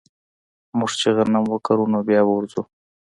موږ چې غنم وکرو نو بيا به ورځو